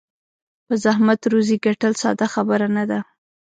په زحمت روزي ګټل ساده خبره نه ده.